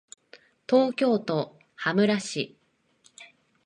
東京都羽村市